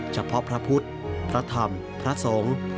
เฉพาะพระพุทธพระธรรมพระสงฆ์